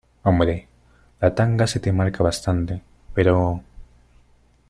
hombre, la tanga se te marca bastante , pero...